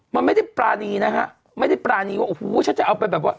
มันไม่ได้ปรานีนะฮะไม่ได้ปรานีว่าโอ้โหฉันจะเอาไปแบบว่า